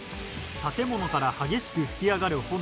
建物から激しく噴き上がる炎。